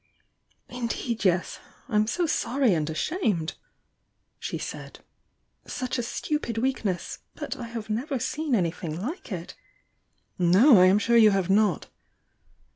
"Indeed, yes! I'm so sorry and ashamed!" she said. "Such a stupid weakness! But I have never seen anything like it " "No, I'm bure you have not!"